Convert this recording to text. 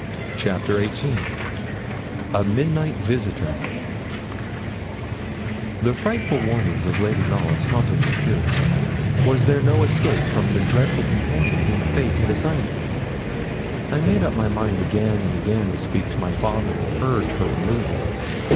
CHAPTER XVIII A MIDNIGHT VISITOR The frightful warnings of Lady Knollys haunted me too. Was there no escape from the dreadful companion whom fate had assigned me? I made up my mind again and again to speak to my father and urge her removal.